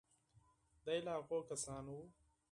دی له هغو کسانو و.